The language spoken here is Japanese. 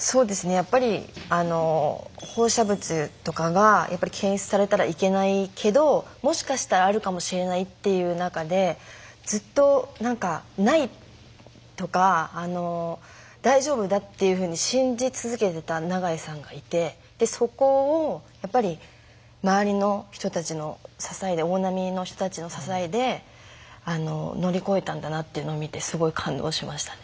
やっぱりあの放射物とかがやっぱり検出されたらいけないけどもしかしたらあるかもしれないっていう中でずっとなんかないとか大丈夫だっていうふうに信じ続けてた永井さんがいてそこをやっぱり周りの人たちの支えで大波の人たちの支えであの乗り越えたんだなっていうのを見てすごい感動しましたね。